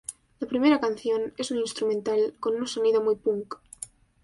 La primera canción es un instrumental con un sonido muy Punk.